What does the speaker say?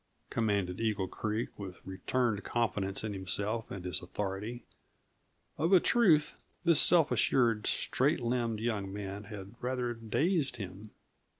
commanded Eagle Creek with returned confidence in himself and his authority. Of a truth, this self assured, straight limbed young man had rather dazed him.